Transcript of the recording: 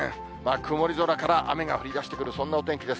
曇り空から雨が降りだしてくる、そんなお天気です。